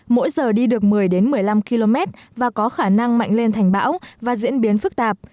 mỗi giờ đi được một mươi một mươi năm km và có khả năng mạnh lên thành bão và diễn biến phức tạp